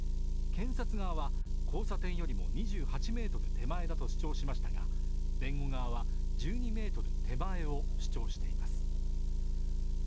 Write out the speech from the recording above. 検察側は、交差点より２８ｍ手前だと主張しましたが弁護側は１２ｍ手前を主張しています